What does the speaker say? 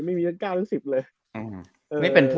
ไม่มีทั้ง๙๑๐เลย